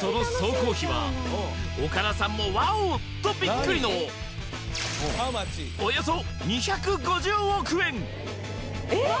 その総工費は岡田さんも「ワオ！」とビックリのおよそ２５０億円えっ！？